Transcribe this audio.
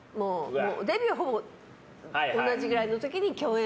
デビューがほぼ同じくらいの時に共演